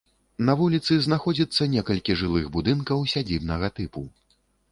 На вуліцы знаходзіцца некалькі жылых будынкаў сядзібнага тыпу.